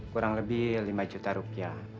kurang lebih lima juta rupiah